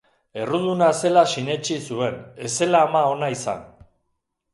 Erruduna zela sinetsi zuen, ez zela ama ona izan.